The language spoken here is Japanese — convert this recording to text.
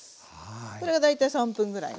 これが大体３分ぐらいね